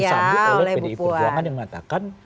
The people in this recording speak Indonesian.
disambut oleh pdi perjuangan yang mengatakan